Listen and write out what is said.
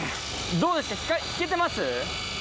どうですか引けてます？